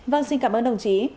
vâng xin cảm ơn đồng chí